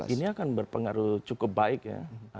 ini akan berpengaruh cukup baik ya